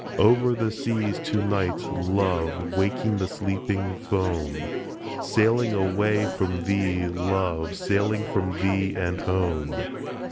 Over the seas to night, love, Waking the sleeping foam Sailing away from thee, love, Sailing from thee and home.